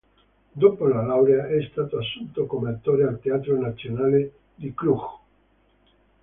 Dopo la laurea è stato assunto come attore al Teatro Nazionale di Cluj.